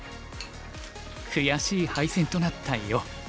悔しい敗戦となった余。